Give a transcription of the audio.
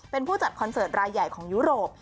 เป็นผู้จัดคอนเสิร์ตรายใหญ่ของยุโรป